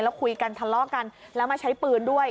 แล้วคุยกันทะเลาะกันแล้วมาใช้ปืนด้วย